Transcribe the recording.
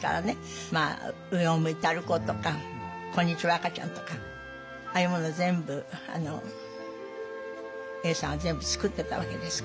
「上を向いて歩こう」とか「こんにちは赤ちゃん」とかああいうもの全部永さんは全部作ってたわけですから。